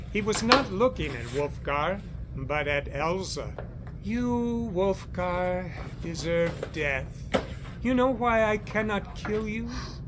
He was not looking at Wolfgar, but at Elza. "You, Wolfgar deserve death. You know why I cannot kill you?